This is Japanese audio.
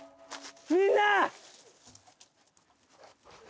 みんな！